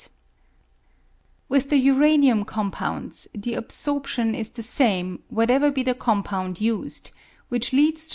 0 38 With the uranium compounds, the absorption is the same whatever be the compound used, which leads to the Chemical News, Aug.